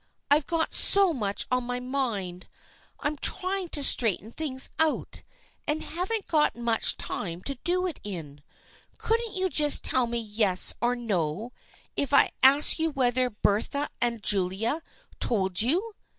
I've got so much on my mind. I'm trying to straighten things out, and haven't got much time to do it in. Couldn't you just tell me yes or no if I ask you whether Bertha and Julia told you